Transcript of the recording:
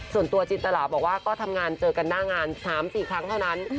ส่วนตัวจินตราบอกว่าก็ทำงานเจอกันหน้างาน๓๔ครั้งเท่านั้น